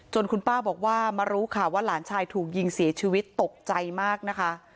คุณป้าบอกว่ามารู้ข่าวว่าหลานชายถูกยิงเสียชีวิตตกใจมากนะคะ